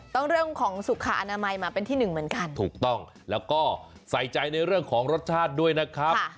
เรื่องของสุขอนามัยมาเป็นที่หนึ่งเหมือนกันถูกต้องแล้วก็ใส่ใจในเรื่องของรสชาติด้วยนะครับ